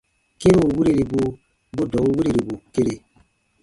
Kĩrun wiriribu bu dɔ̃ɔn wirirbu kere.